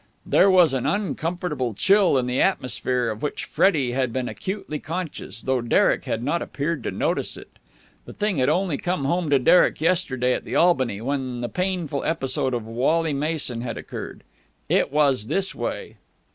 There was an uncomfortable chill in the atmosphere of which Freddie had been acutely conscious, though Derek had not appeared to notice it. The thing had only come home to Derek yesterday at the Albany, when the painful episode of Wally Mason had occurred. It was this way....